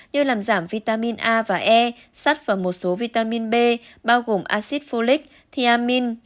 như làm giảm vitamin a và e sắt vào một số vitamin b bao gồm acid folic thiamin